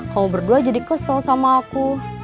kau berdua jadi kesel sama aku